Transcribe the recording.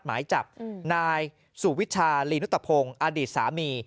หมายจับนายสุวิชาลีนุตพงศ์อดีตสามี